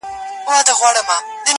تر هغه وروسته بيا نه وو راسره کښينستلی.